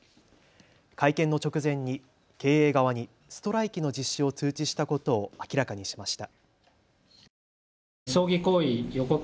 会見の直前に経営側にストライキの実施を通知したことを明らかにしました。